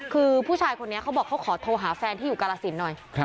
คือผู้ชายคนนี้เขาบอกเขาขอโทรหาแฟนที่อยู่กาลสินหน่อย